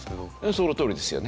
そのとおりですよね。